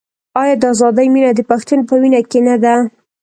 آیا د ازادۍ مینه د پښتون په وینه کې نه ده؟